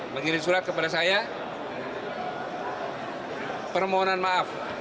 mengirim surat kepada saya permohonan maaf